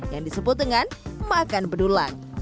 yang disebut dengan makan bedulang